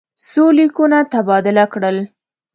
څو لیکونه تبادله کړل.